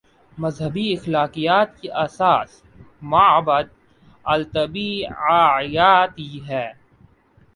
مذہبی اخلاقیات کی اساس مابعد الطبیعیاتی ہے۔